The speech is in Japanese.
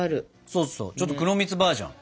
そうそうちょっと黒蜜バージョン。